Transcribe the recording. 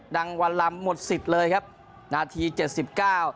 วันลำหมดสิทธิ์เลยครับนาทีเจ็ดสิบเก้า